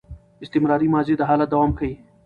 استمراري ماضي د حالت دوام ښيي.